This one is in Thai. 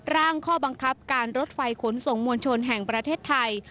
ร่างข้อบังคับการรถไฟขนส่งมวลชนแห่งประเทศไทย